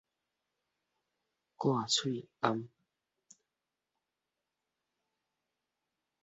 戴口罩